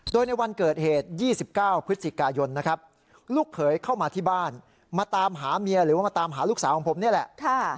โดยในวันเกิดเหตุ๒๙พฤศจิกายนนะครับลูกเขยเข้ามาที่บ้านมาตามหาเมียหรือว่ามาตามหาลูกสาวของผมนี่แหละ